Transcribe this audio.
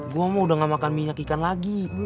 gue mah udah gak makan minyak ikan lagi